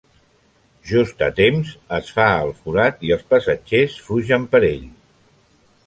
Just a temps, es fa el forat i els passatgers fugen per ell.